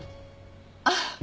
あっ。